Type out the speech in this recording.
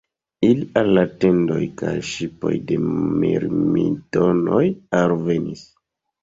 Ili al la tendoj kaj ŝipoj de Mirmidonoj alvenis.